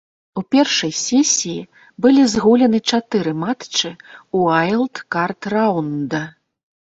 У першай сесіі былі згуляны чатыры матчы ўайлдкард раўнда.